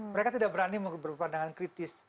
mereka tidak berani berpandangan kritis